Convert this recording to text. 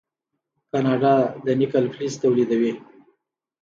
کاناډا د نکل فلز تولیدوي.